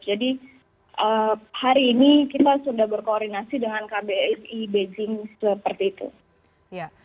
jadi hari ini kita sudah berkoordinasi dengan kbri beijing seperti itu